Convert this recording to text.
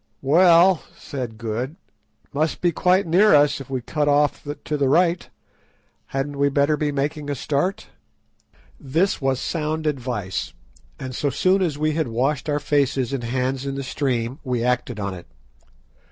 "Well," said Good, "it must be quite near us if we cut off to the right. Hadn't we better be making a start?" This was sound advice, and so soon as we had washed our faces and hands in the stream we acted on it.